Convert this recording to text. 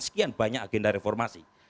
sekian banyak agenda reformasi